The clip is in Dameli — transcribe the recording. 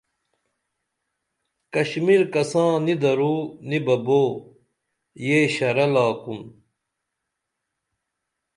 کشمیر کسان نی درو نی بہ بو یہ ݜرہ لاکُن